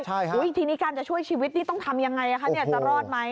ทีนี้การจะช่วยชีวิตนี่ต้องทำยังไงคะเนี่ยจะรอดไหม